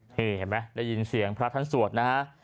เห็นมั้ยได้ยินเสียงพระท่านสวดนะฮะ